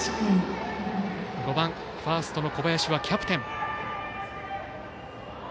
５番、ファーストの小林はキャプテン。